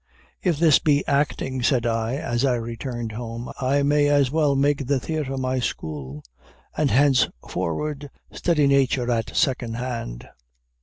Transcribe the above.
If this be acting, said I, as I returned home, I may as well make the theater my school, and henceforward study nature at second hand.